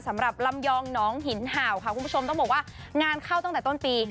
สำหรับลำยองหนองหินเห่าค่ะคุณผู้ชมต้องบอกว่างานเข้าตั้งแต่ต้นปี